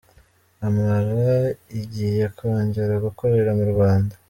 Amara igiye kongera gukorera mu Rwanda